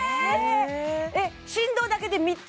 えっ振動だけで３つ？